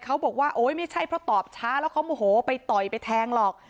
เขาบอกว่าไม่ใช่เพราะตอบช้าแล้วเขามอโห่ไปต่อยไปแทงหรอก